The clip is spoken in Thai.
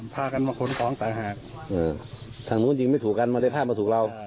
พากันมาขนของต่างหากทางนู้นยิงไม่ถูกกันมันเลยพามาถูกเรา